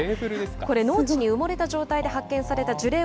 これ、農地で埋もれた状態で発見された樹齢